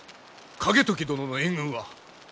景時殿の援軍は？